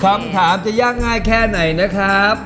คำถามจะยากง่ายแค่ไหนนะครับ